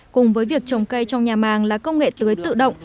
cùng với việc trồng cây trong nhà màng là công nghệ tưới tự động